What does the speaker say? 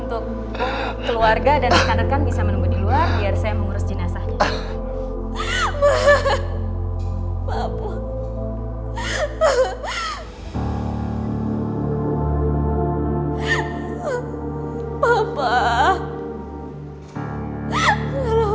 untuk keluarga dan rekan rekan bisa menunggu di luar biar saya mengurus jenazahnya